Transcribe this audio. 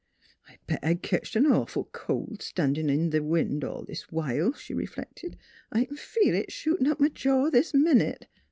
" I bet I ketched a 'nawful cold, standin' out there in th' wind all this while," she reflected. " I c'n feel it shootin' up m' jaw this minute.